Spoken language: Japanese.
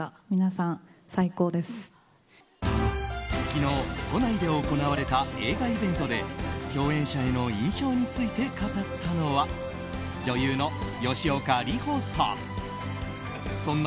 昨日、都内で行われた映画イベントで共演者への印象について語ったのは、女優の吉岡里帆さん。